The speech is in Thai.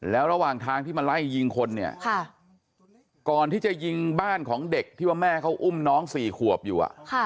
แล้วระหว่างทางที่มาไล่ยิงคนเนี่ยก่อนที่จะยิงบ้านของเด็กที่ว่าแม่เขาอุ้มน้อง๔ขวบอยู่